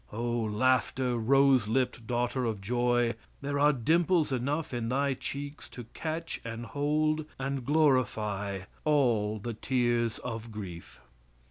O Laughter, rose lipped daughter of joy, there are dimples enough in thy cheeks to catch and hold and glorify all the tears of grief.